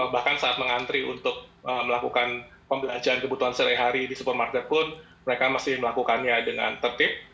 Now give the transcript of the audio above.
bahkan saat mengantri untuk melakukan pembelajaran kebutuhan sehari hari di supermarket pun mereka masih melakukannya dengan tertib